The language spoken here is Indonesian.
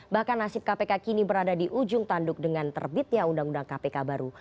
bahkan nasib kpk kini berada di ujung tanduk dengan terbitnya undang undang kpk baru